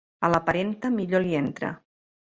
A la parenta, millor li entra.